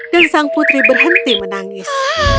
dan sang putri berhenti menangis